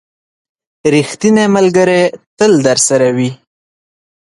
• ریښتینی ملګری تل درسره وي.